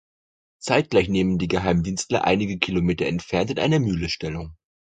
Zeitgleich nehmen die Geheimdienstler einige Kilometer entfernt in einer Mühle Stellung.